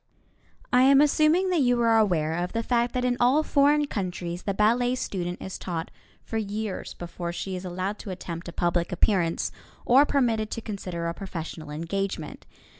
I am assuming that you are aware of the fact that in all foreign countries the ballet student is taught for years before she is allowed to attempt a public appearance or permitted to consider a professional engagement.